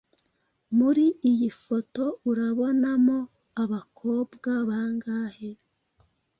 muri iyi foto urabonamo abakobwa bangahe?